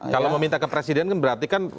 kalau mau minta ke presiden kan berarti kan